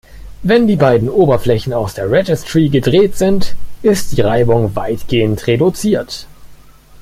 Wenn die beiden Oberflächen aus der Registry gedreht sind, ist die Reibung weitgehend reduziert.